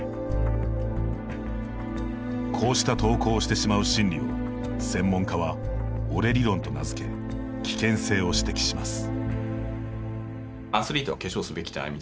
こうした投稿をしてしまう心理を専門家は「俺理論」と名付け危険性を指摘します。